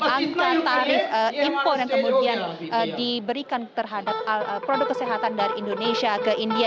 angka tarif impor yang kemudian diberikan terhadap produk kesehatan dari indonesia ke india